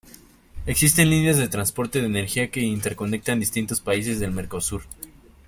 Existen líneas de transporte de energía que interconectan distintos países del Mercosur.